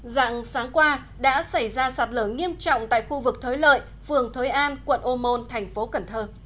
dạng sáng qua đã xảy ra sạt lở nghiêm trọng tại khu vực thới lợi phường thới an quận ô môn thành phố cần thơ